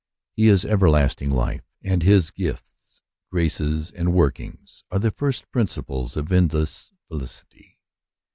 He is everlasting life, and his gifts, graces and workings are the first principles of endless felicity.